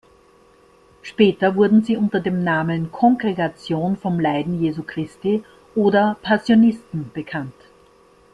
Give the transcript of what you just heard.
Später wurde sie unter dem Namen „Kongregation vom Leiden Jesu Christi“ oder „Passionisten“ bekannt.